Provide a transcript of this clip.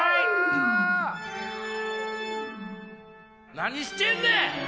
何してんねん！